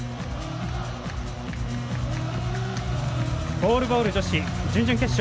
ゴールボール女子準々決勝